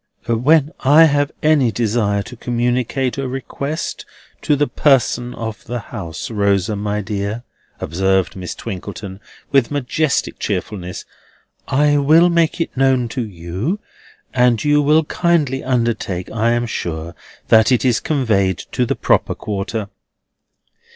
"When I have any desire to communicate a request to the person of the house, Rosa my dear," observed Miss Twinkleton with majestic cheerfulness, "I will make it known to you, and you will kindly undertake, I am sure, that it is conveyed to the proper quarter."